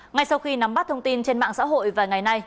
ngay sau khi nắm bắt thông tin trên mạng xã hội vài ngày nay